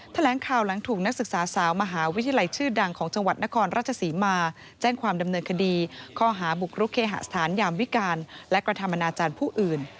แถลงข่าวหลังถูกนักศึกษาสาวมหาวิทยาลัยชื่อดังของจังหวัดนครราชศรีมาแจ้งความดำเนินคดีข้อหาบุกรุกเคหสถานยามวิการและกระทำอนาจารย์ผู้อื่น